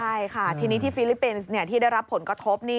ใช่ค่ะทีนี้ที่ฟิลิปปินส์ที่ได้รับผลกระทบ